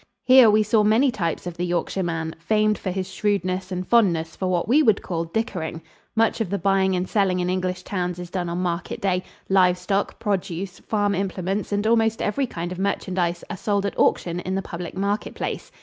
Here we saw many types of the Yorkshire man, famed for his shrewdness and fondness for what we would call "dickering." Much of the buying and selling in English towns is done on market day; live stock, produce, farm implements, and almost every kind of merchandise are sold at auction in the public market place.